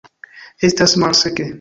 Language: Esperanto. Estas malseke.